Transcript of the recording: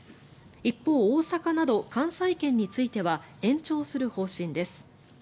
一方、大阪など関西圏については延長する方針です。